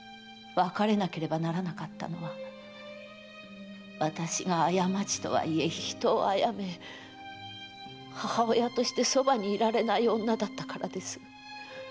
別れなければならなかったのはあたしが過ちとはいえ人を殺め母親として側にいられない女だったからです。